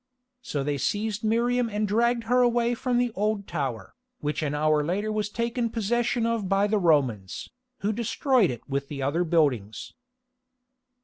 So they seized Miriam and dragged her away from the Old Tower, which an hour later was taken possession of by the Romans, who destroyed it with the other buildings.